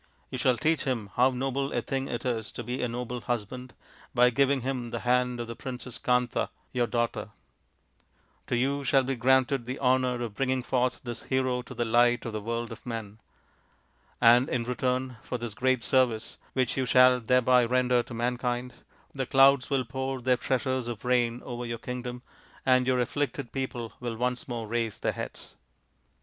You shall teach him how noble a thing it is to be a noble husband, by giving him the hand of the Princess Kanta, your daughter. To you shall be granted the honour of bringing forth this hero to the light of the world of men. And in return for this great service which you shall thereby render to mankind, the clouds will pour their treasures of rain over your kingdom, and your afflicted people will once more raise their heads."